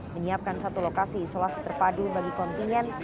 menyiapkan satu lokasi isolasi terpadu bagi kontingen